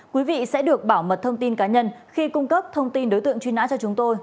quý vị sẽ được bảo mật thông tin cá nhân khi cung cấp thông tin đối tượng truy nã cho chúng tôi